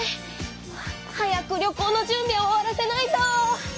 早く旅行のじゅんび終わらせないと！